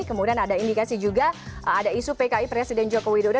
kemudian ada indikasi juga ada isu pki presiden joko widodo